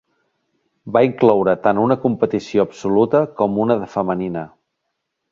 Va incloure tant una competició absoluta com una de femenina.